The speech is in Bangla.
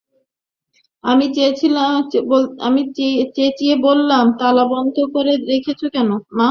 আমি চেঁচিয়ে বললাম, তালাবন্ধ করে রেখেছ কেন মা?